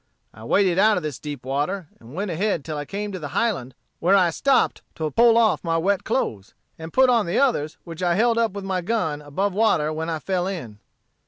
I waded out of this deep water, and went ahead till I came to the highland, where I stopped to pull of my wet clothes, and put on the others which I held up with my gun above water when I fell in."